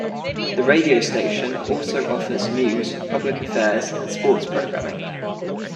The radio station also offers news, public affairs, and sports programming.